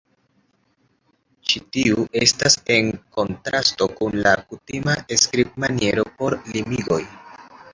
Ĉi tiu estas en kontrasto kun la kutima skribmaniero por limigoj.